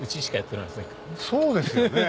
そうですよね。